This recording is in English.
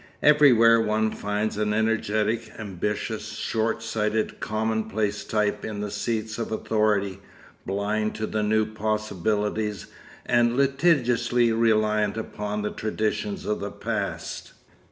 Everywhere one finds an energetic, ambitious, short sighted, common place type in the seats of authority, blind to the new possibilities and litigiously reliant upon the traditions of the past.